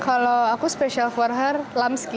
kalau aku special for her lam ski